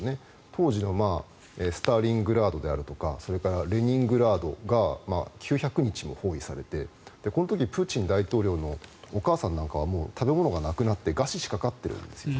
当時のスターリングラードであるとかそれからレニングラードが９００日も包囲されてこの時、プーチン大統領のお母さんなんかはもう食べ物がなくなって餓死しかかっているんですよね。